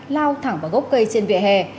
lao thẳng vào gốc cây trên vỉa hè